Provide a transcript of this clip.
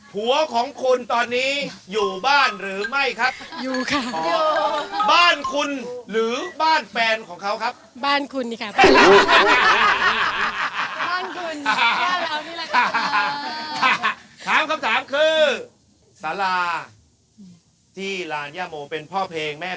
หัวของคุณตอนนี้อยู่บ้านหรือไม่ครับอยู่ค่ะบ้านคุณหรือบ้านแฟนของเขาครับบ้านคุณอีกครับถามคำถามคือสละที่ลานยมโหมเป็นพ่อเพลงแม่